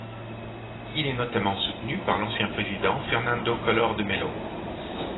Il est notamment soutenu par l'ancien président Fernando Collor de Mello.